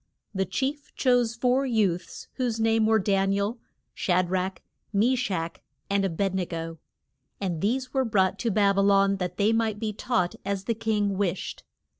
The chief chose four youths whose name were Dan i el, Sha drach, Me shach and A bed ne go. And these were brought to Bab y lon, that they might be taught as the king wished.